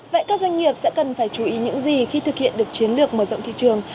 vậy các doanh nghiệp sẽ cần phải chú ý những gì khi thực hiện được chiến lược mở rộng thị trường